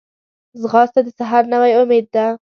ځغاسته د سحر نوی امید ده